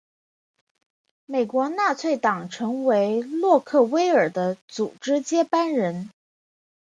美国纳粹党成为洛克威尔的组织接班人。